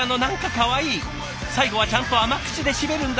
最後はちゃんと甘口で締めるんだ。